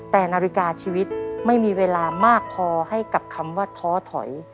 แต่นาฬิกาชีวิตไม่มีเวลามากพอให้กับคำว่าท้อถอย